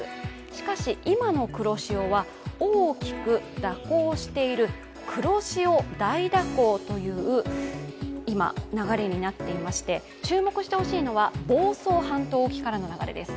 しかし、今の黒潮は大きく蛇行している黒潮大蛇行という今、流れになっていまして注目してほしいのは房総半島沖からの流れです。